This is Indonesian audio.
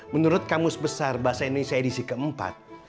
menurut kamus besar bahasa indonesia edisi keempat